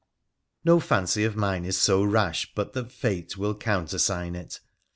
No fancy of mine is so rash but that Fate will countersign it.